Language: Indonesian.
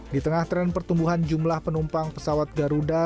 di tengah tren pertumbuhan jumlah penumpang pesawat garuda